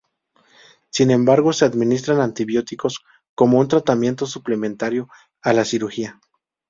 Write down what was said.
Sin embargo, se administran antibióticos como un tratamiento suplementario a la cirugía.